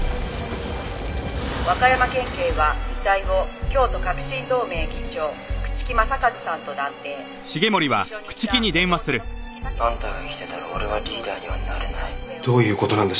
「和歌山県警は遺体を京都革新同盟議長朽木政一さんと断定」「一緒にいた弟の朽木武二さん」「あんたが生きてたら俺はリーダーにはなれない」どういう事なんだ？